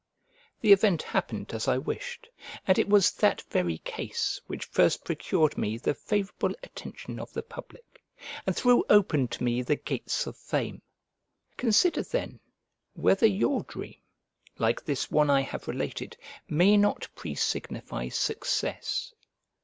The event happened as I wished; and it was that very case which first procured me the favourable attention of the public, and threw open to me the gates of Fame. Consider then whether your dream, like this one I have related, may not pre signify success.